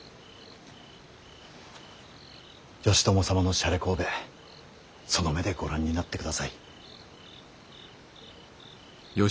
義朝様のしゃれこうべその目でご覧になってください。